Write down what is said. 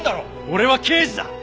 俺は刑事だ！